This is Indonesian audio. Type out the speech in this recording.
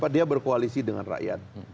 dia berkoalisi dengan rakyat